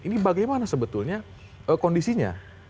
ini bagaimana sebetulnya kondisinya